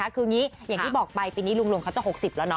คือยังที่บอกไปปีนี้รุงรงค์จะหกสิบแล้วเนอะ